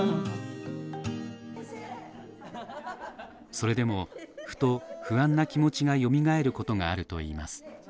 それでもふと不安な気持ちがよみがえることがあるといいます。